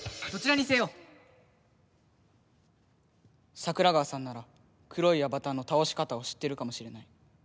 どちらにせよ桜川さんなら黒いアバターのたおし方を知ってるかもしれない。